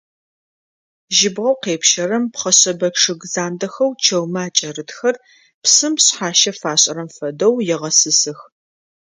Жьыбгъэу къепщэрэм пхъэшъэбэ чъыг зандэхэу чэумэ акӀэрытхэр, псым шъхьащэ фашӀырэм фэдэу, егъэсысых.